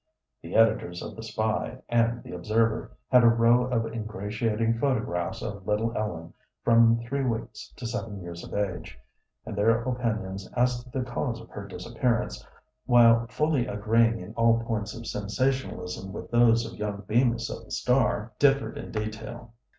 The editors of The Spy and The Observer had a row of ingratiating photographs of little Ellen from three weeks to seven years of age; and their opinions as to the cause of her disappearance, while fully agreeing in all points of sensationalism with those of young Bemis, of The Star, differed in detail.